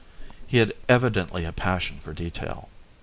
He had evidently a passion for detail.